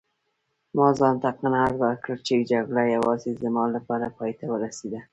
ما ځانته قناعت ورکړ چي جګړه یوازې زما لپاره پایته ورسیده.